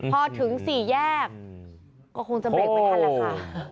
พอถึงสี่แยกก็คงจะเบรกไม่ทันแหละค่ะ